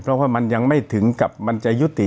เพราะว่ามันยังไม่ถึงกับมันจะยุติ